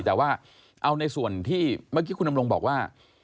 แต่ว่าเอาในส่วนที่เมื่อกี้คุณดำรงบอกว่า